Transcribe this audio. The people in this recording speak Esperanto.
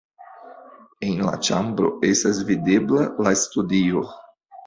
En la ĉambro estas videbla la studio.